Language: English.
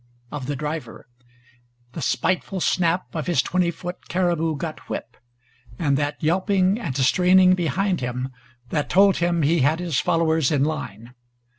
of the driver, the spiteful snap of his twenty foot caribou gut whip, and that yelping and straining behind him that told him he had his followers in line.